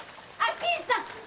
新さん！